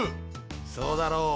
そうだろう。